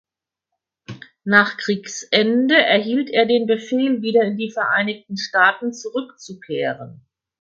Nach Kriegsende erhielt er den Befehl wieder in die Vereinigten Staaten zurückzukehren.